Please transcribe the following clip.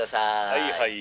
「はいはい。